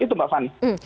itu mbak fani